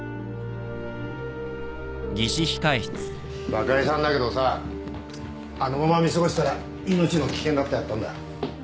若井さんだけどさあのまま見過ごしたら命の危険だってあったんだ。